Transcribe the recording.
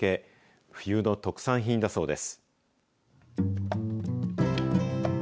冬の特産品だそうです。